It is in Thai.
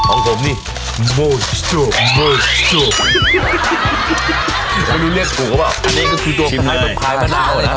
อันนี้คือผลาดแพมปลายมะนาวนะ